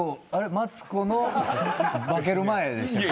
マツコの化ける前でしたっけ？